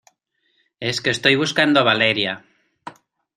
es que estoy buscando a Valeria.